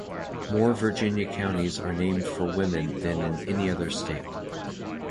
More Virginia counties are named for women than in any other state.